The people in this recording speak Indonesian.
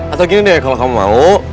atau gini deh kalau kamu mau